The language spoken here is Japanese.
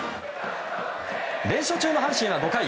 連勝中の阪神は５回。